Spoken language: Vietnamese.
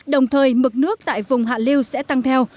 đồng thời mực nước tại vùng hạ liêu sẽ tăng theo